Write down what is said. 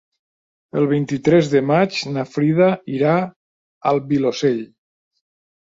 El vint-i-tres de maig na Frida irà al Vilosell.